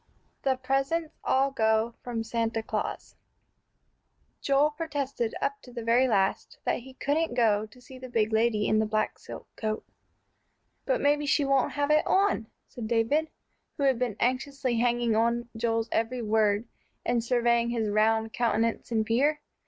V "THE PRESENTS ALL GO FROM SANTA CLAUS" Joel protested up to the very last that he couldn't go to see the big lady in the black silk coat. "But maybe she won't have it on," said David, who had been anxiously hanging on Joel's every word, and surveying his round countenance in fear.